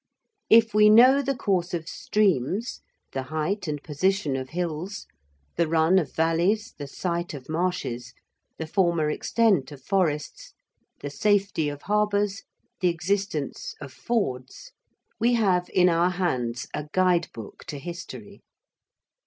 If we know the course of streams, the height and position of hills, the run of valleys, the site of marshes, the former extent of forests, the safety of harbours, the existence of fords, we have in our hands a guide book to history.